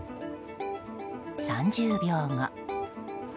３０秒後。